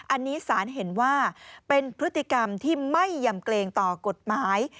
อันนี้สารเห็นว่าเป็นพฤติกรรมที่ไม่ยำเกรงต่อกฎหมาย